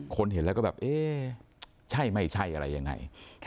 เห็นแล้วก็แบบเอ๊ะใช่ไม่ใช่อะไรยังไง